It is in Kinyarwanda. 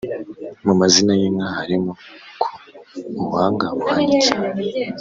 mu mazina y’inka harimo ko ubuhanga buhanitse.